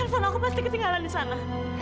telepon aku pasti ketinggalan di sana